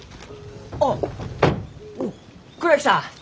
あっ倉木さん！